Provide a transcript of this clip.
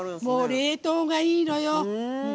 冷凍がいいのよ。